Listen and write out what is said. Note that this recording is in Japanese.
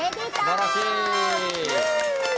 すばらしい。